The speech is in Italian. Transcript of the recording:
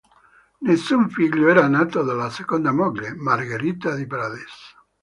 Nessun figlio era nato dalla seconda moglie, Margherita di Prades.